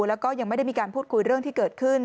แล้วก็ยังไม่ได้มีการพูดคุยเรื่องที่เกิดขึ้น